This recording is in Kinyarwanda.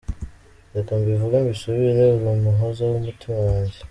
Reka mbivuge mbisubire, uri umuhoza w’umutima wanjye.